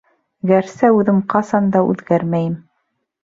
Гәрсә үҙем ҡасан да үҙгәрмәйем.